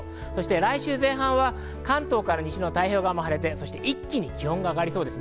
来週前半は関東から西は太平洋側も晴れて、一気に気温が上がりそうです。